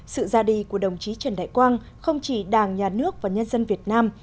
sự ra đi của đồng chí trần đại quang không chỉ đảng nhà nước và nhân dân việt nam